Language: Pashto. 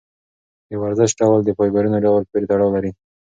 د ورزش ډول د فایبرونو ډول پورې تړاو لري.